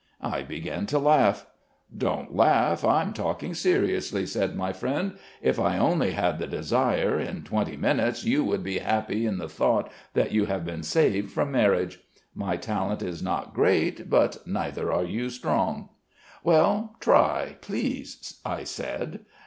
"I began to laugh. "'Don't laugh. I'm talking seriously,' said my friend. 'If I only had the desire, in twenty minutes you would be happy in the thought that you have been saved from marriage. My talent is not great, but neither are you strong?' "'Well, try, please,' I said.